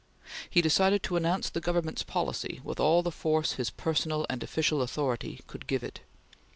He decided to announce the Government's policy with all the force his personal and official authority could give it.